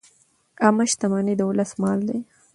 عامه شتمني د ولس مال دی.